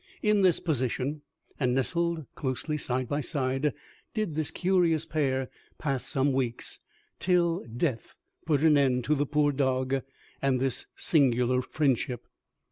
In this position, and nestled closely side by side, did this curious pair pass some weeks, till death put an end to the poor dog and this singular friendship.